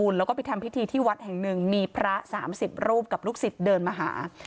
แล้วก็ไปทำพิธีที่วัดแห่งหนึ่งมีพระ๓๐รูปกับลูกศิษย์เดินมาหา